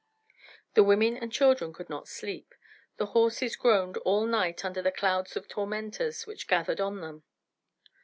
The women and children could not sleep, the horses groaned all night under the clouds of tormentors which gathered on them.